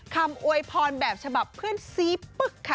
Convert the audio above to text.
อวยพรแบบฉบับเพื่อนซีปึ๊กค่ะ